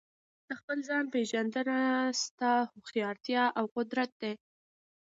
د خپل ځان پېژندنه ستا هوښیارتیا او قدرت دی.